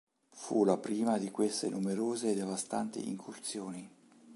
Fu la prima di queste numerose e devastanti incursioni.